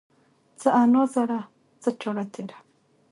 څه انا زړه ، څه چاړه تيره.